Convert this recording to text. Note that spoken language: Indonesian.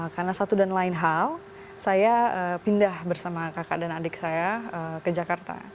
karena satu dan lain hal saya pindah bersama kakak dan adik saya ke jakarta